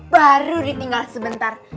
baru ditinggal sebentar